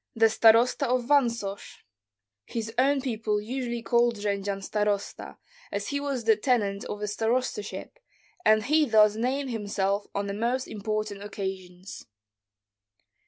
"The starosta of Vansosh." His own people usually called Jendzian starosta, as he was the tenant of a starostaship, and he thus named himself on the most important occasions.